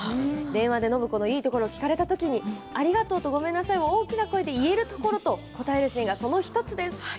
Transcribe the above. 電話で暢子のいいところを聞かれたときにありがとうとごめんなさいを大きな声で言えるところと答えるシーンがその１つです。